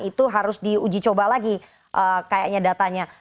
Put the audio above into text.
itu harus diuji coba lagi kayaknya datanya